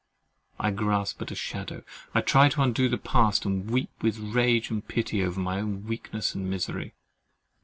I grasp at a shadow, I try to undo the past, and weep with rage and pity over my own weakness and misery.